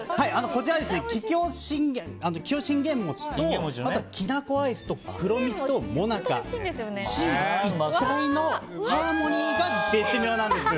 こちらは桔梗信玄餅ときな粉アイスと黒蜜と、もなか四位一体のハーモニーが絶妙なんです。